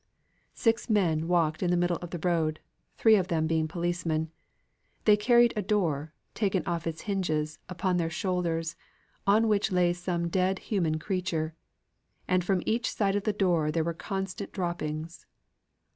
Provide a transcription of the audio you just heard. Six men walked in the middle of the road, three of them being policemen. They carried a door, taken off its hinges, upon their shoulders, on which lay some dead human creature; and from each side of the door there were constant droppings.